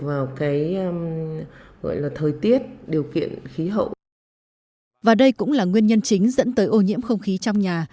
và đây cũng là nguyên nhân chính dẫn tới ô nhiễm không khí trong nhà